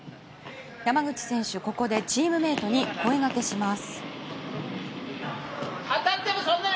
山口選手、ここでチームメートに声がけします。